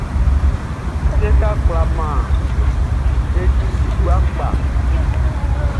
Séka kwla man e i gua kpa.